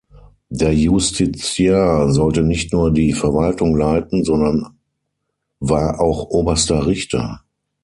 Der Justiciar sollte nicht nur die Verwaltung leiten, sondern war auch oberster Richter.